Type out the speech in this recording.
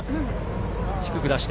低く出して。